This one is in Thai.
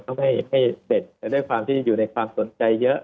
เขาไม่ให้เสร็จแต่ด้วยความที่อยู่ในความสนใจเยอะ